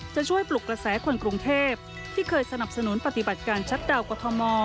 จะช่วยปลุกกระแสคนกรุงเทพที่เคยสนับสนุนปฏิบัติการชัดดาวกรทม